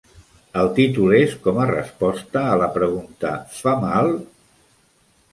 El títol és com a resposta a la pregunta: Fa mal?